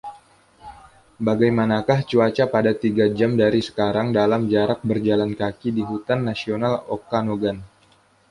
Bagaimanakah cuaca pada tiga jam dari sekarang dalam jarak berjalan kaki di Hutan Nasional Okanogan?